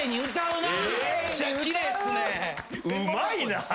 うまいなぁ。